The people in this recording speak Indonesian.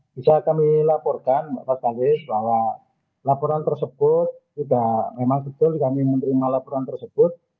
bisa kami laporkan pak salis bahwa laporan tersebut tidak memang betul kami menerima laporan tersebut